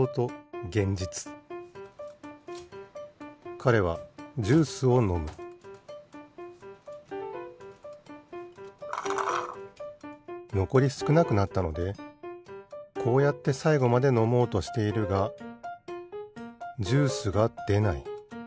かれはジュースをのむのこりすくなくなったのでこうやってさいごまでのもうとしているがジュースがでない。